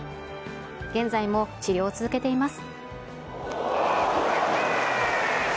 現在も治療を続けています。